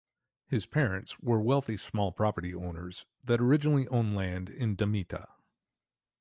His parents were wealthy small-property owners that originally owned land in Damietta.